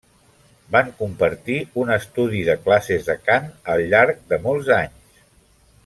Van compartir un estudi de classes de cant al llarg de molts anys.